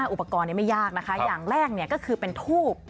อุปกรณ์ไม่ยากนะคะอย่างแรกก็คือเป็นทูบ